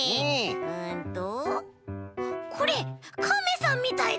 うんとこれカメさんみたいだ！